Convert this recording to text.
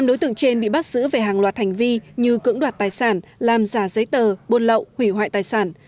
năm đối tượng trên bị bắt giữ về hàng loạt hành vi như cưỡng đoạt tài sản làm giả giấy tờ buôn lậu hủy hoại tài sản